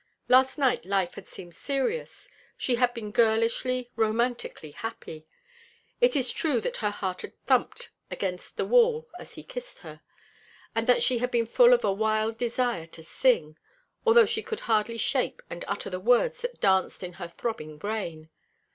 Last night life had seemed serious; she had been girlishly, romantically happy. It is true that her heart had thumped against the wall as he kissed her, and that she had been full of a wild desire to sing, although she could hardly shape and utter the words that danced in her throbbing brain.